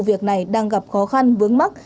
việc này đang gặp khó khăn vướng mắc